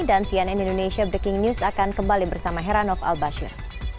dan cnn indonesia breaking news akan kembali bersama heranov albasir